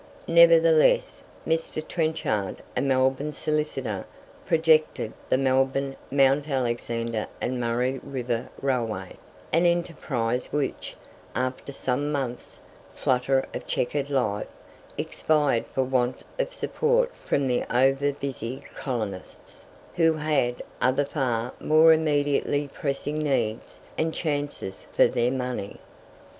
Nevertheless, Mr. Trenchard, a Melbourne solicitor, projected "The Melbourne, Mount Alexander and Murray River Railway," an enterprise which, after some months' flutter of chequered life, expired for want of support from the over busy colonists, who had other far more immediately pressing needs and chances for their money.